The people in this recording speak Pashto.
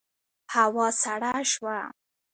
هوا سړه شوه.